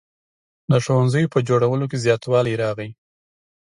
د ښوونځیو په جوړولو کې زیاتوالی راغی.